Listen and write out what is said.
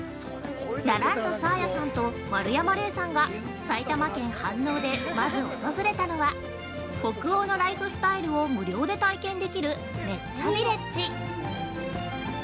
◆ラランドサーヤさんと丸山礼さんが埼玉県・飯能でまず訪れたのは北欧のライフスタイルを無料で体験できるメッツァビレッジ。